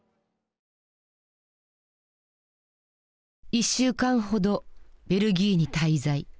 １週間ほどベルギーに滞在。